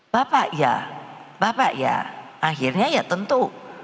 bapak ya bapak ya akhirnya ya tentu